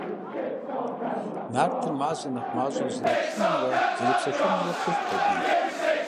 Нартыр Мазэ нэхъ мащӀэу зэреплъынымрэ зэрепсэлъэнымрэ пылът Бабий.